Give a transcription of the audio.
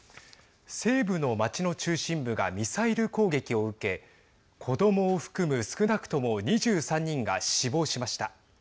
西部の町の中心部がミサイル攻撃を受け子どもを含む少なくとも２３人が死亡しました。